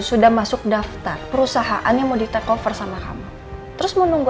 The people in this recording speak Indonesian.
sudah masuk daftar perusahaan yang mau ditekover sama kamu terus menunggu